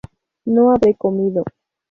No habré comido